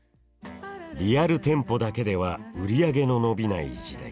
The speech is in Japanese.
リアル店舗だけでは売り上げの伸びない時代。